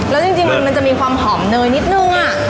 แล้วจริงมันจะมีความหอมเนยนิดนึง